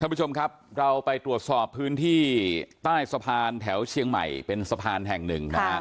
ผู้ชมครับเราไปตรวจสอบพื้นที่ใต้สะพานแถวเชียงใหม่เป็นสะพานแห่งหนึ่งนะฮะ